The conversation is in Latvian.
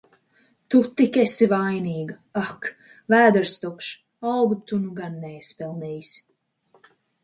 Tu tik esi vainīga! Ak! Vēders tukšs! Algu tu nu gan neesi pelnījis.